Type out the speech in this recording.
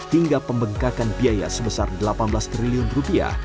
hingga pembengkakan biaya sebesar delapan belas triliun rupiah